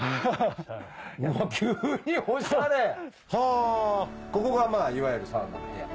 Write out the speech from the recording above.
あここがいわゆるサウナの部屋。